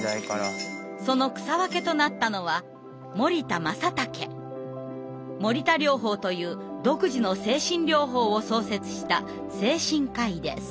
その草分けとなったのは森田療法という独自の精神療法を創設した精神科医です。